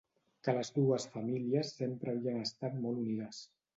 Que les dues famílies sempre havien estat molt unides.